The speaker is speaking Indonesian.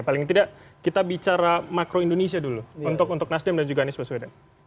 paling tidak kita bicara makro indonesia dulu untuk nasdem dan juga anies baswedan